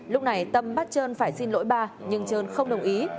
lúc này tâm bắt trơn phải xin lỗi ba nhưng trơn không đồng ý